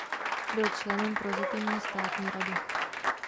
Byl členem Prozatímní státní rady.